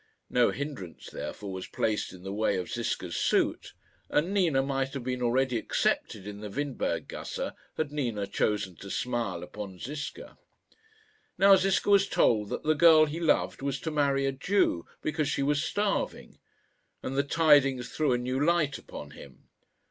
No hindrance, therefore was placed in the way of Ziska's suit, and Nina might have been already accepted in the Windberg gasse had Nina chosen to smile upon Ziska. Now Ziska was told that the girl he loved was to marry a Jew because she was starving, and the tidings threw a new light upon him.